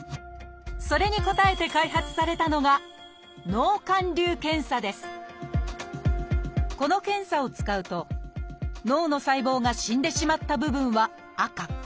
それに応えて開発されたのがこの検査を使うと脳の細胞が死んでしまった部分は赤。